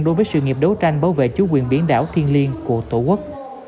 đối với sự nghiệp đấu tranh bảo vệ chú quyền biển đảo thiên liên của tổ quốc